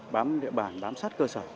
bám địa bàn bám sát cơ sở